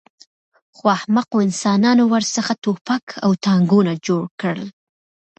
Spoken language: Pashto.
خو احمقو انسانانو ورڅخه ټوپک او ټانکونه جوړ کړل